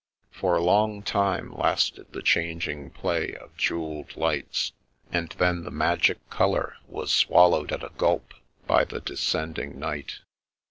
For a long time lasted the changing play of jew elled lights, and then the magic colour was swal lowed at a gulp by the descending night.